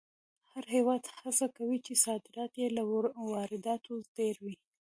هر هېواد هڅه کوي چې صادرات یې له وارداتو ډېر وي.